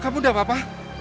kamu udah apa apa